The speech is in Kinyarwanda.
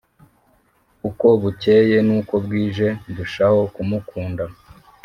Uko bukeye nuko bwije ndushaho ku mukunda